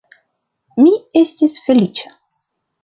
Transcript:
Mi estis feliĉa.